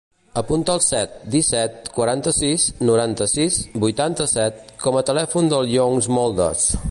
Apunta el set, disset, quaranta-sis, noranta-sis, vuitanta-set com a telèfon del Younes Moldes.